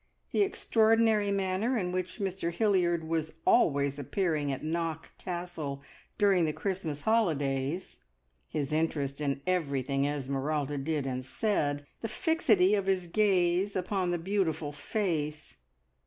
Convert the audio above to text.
The extraordinary manner in which Mr Hilliard was always appearing at Knock Castle during the Christmas holidays; his interest in everything Esmeralda did and said; the fixity of his gaze upon the beautiful face.